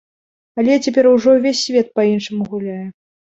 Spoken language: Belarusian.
Але цяпер ужо ўвесь свет па-іншаму гуляе.